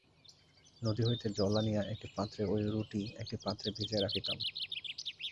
নদী হইতে জল আনিয়া একটি পাত্রে ঐ রুটি একটি পাত্রে ভিজাইয়া রাখিতাম।